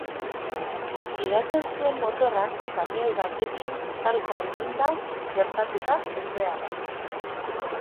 Gidatzen zuen motorrak kamioi batekin talka eginda gertatu da ezbeharra.